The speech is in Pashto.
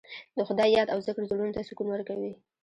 د خدای یاد او ذکر زړونو ته سکون ورکوي.